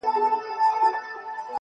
کلونه پس چي درته راغلمه، ته هغه وې خو؛,